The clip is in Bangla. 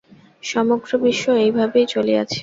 সমগ্র বিশ্ব এই ভাবেই চলিয়াছে।